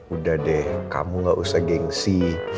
udah deh kamu gak usah gengsi